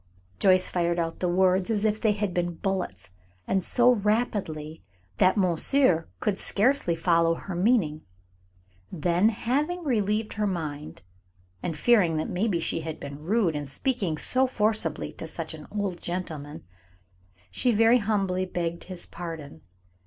Joyce fired out the words as if they had been bullets, and so rapidly that monsieur could scarcely follow her meaning. Then, having relieved her mind, and fearing that maybe she had been rude in speaking so forcibly to such an old gentleman, she very humbly begged his pardon.